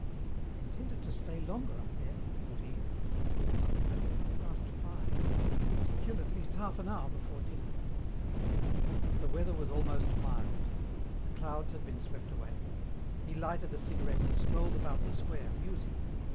"I intended to stay longer up there," thought he. "It's only half past five. I must kill at least half an hour before dinner." The weather was almost mild. The clouds had been swept away. He lighted a cigarette and strolled about the square, musing.